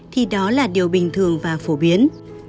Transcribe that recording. thì đó là điều bình thường và phổ biến